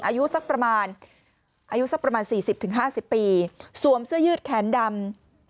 อายุสักประมาณ๔๐๕๐ปีสวมเสื้อยืดแขนดำ